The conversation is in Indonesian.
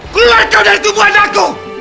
keluar kau dari tubuh anakku